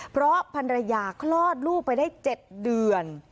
เพราะภรรยาคลอดลูกไปได้๗เดือน